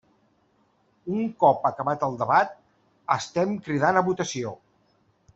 Un cop acabat el debat, estem cridant a votació.